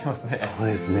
そうですね。